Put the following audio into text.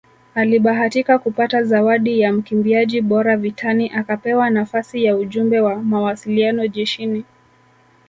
Alibahatika kupata zawadi ya mkimbiaji bora vitani akapewa nafasi ya ujumbe wa mawasiliano jeshini